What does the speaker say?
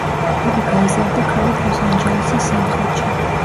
იგი გაიზარდა ქალაქ ლოს-ანჯელესის სამხრეთში.